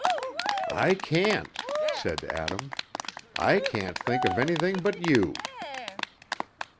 "I can't," said Adam. "I can't think of anything but you."